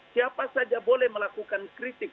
siapa saja boleh melakukan kritik